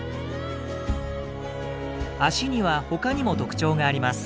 脚には他にも特徴があります。